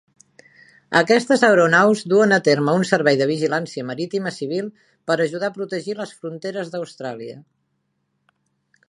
Aquestes aeronaus duen a terme un servei de vigilància marítima civil per ajudar a protegir les fronteres d'Austràlia.